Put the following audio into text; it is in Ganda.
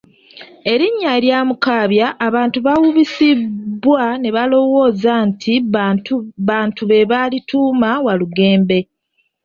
Erinnya erya Mukaabya, abantu bawubisibwa ne balowooza nti bantu be baalituuma Walugembe.